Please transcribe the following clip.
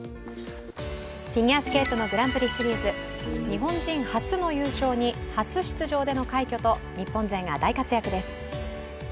フィギュアスケートのグランプリシリーズ、日本人初の優勝に初出場での快挙と日本勢が大活躍です。